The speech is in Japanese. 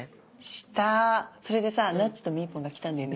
したそれでさなっちとみーぽんが来たんだよね。